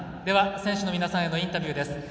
選手の皆さんへのインタビューです。